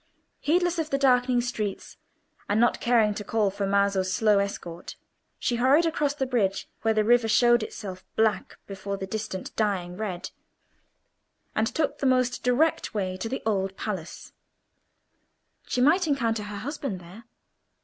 Heedless of the darkening streets, and not caring to call for Maso's slow escort, she hurried across the bridge where the river showed itself black before the distant dying red, and took the most direct way to the Old Palace. She might encounter her husband there.